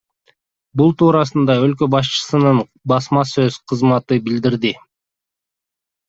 Бул туурасында өлкө башчысынын басма сөз кызматы билдирди.